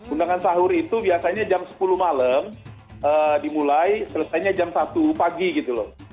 undangan sahur itu biasanya jam sepuluh malam dimulai selesainya jam satu pagi gitu loh